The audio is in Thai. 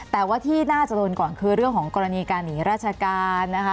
แต่ว่าที่น่าจะโดนก่อนคือเรื่องของกรณีการหนีราชการนะคะ